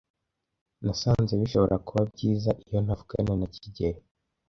Nasanze bishobora kuba byiza iyo ntavugana na kigeli.